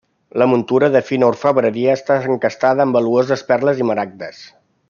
La muntura, de fina orfebreria, està encastada amb valuoses perles i maragdes.